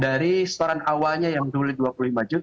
dari masyarakat awalnya yang dulu rp dua puluh lima